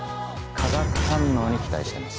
化学反応に期待してます。